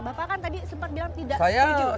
bapak kan tadi sempat bilang tidak setuju